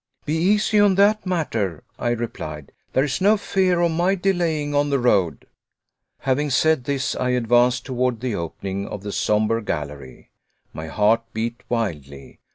"Be easy on that matter," I replied, "there is no fear of my delaying on the road." Having said this, I advanced toward the opening of the somber gallery. My heart beat wildly.